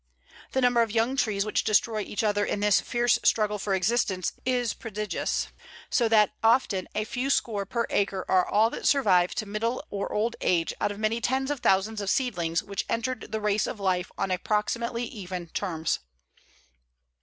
The number of young trees which destroy each other in this fierce struggle for existence is prodigious, so that often a few score per acre are all that survive to middle or old age out of many tens of thousands of seedlings which entered the race of life on approximately even terms.